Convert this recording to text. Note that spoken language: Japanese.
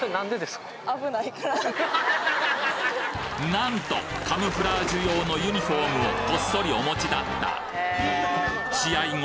なんとカムフラージュ用のユニフォームをこっそりお持ちだった試合後